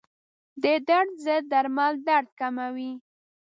د درد ضد درمل درد کموي.